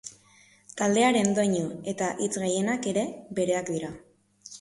Taldearen doinu eta hitz gehienak ere bereak dira.